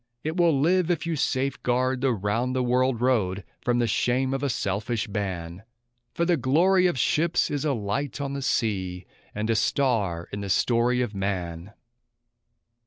It will live if you safeguard the round the world road from the shame of a selfish ban; For the glory of ships is a light on the sea, and a star in the story of man!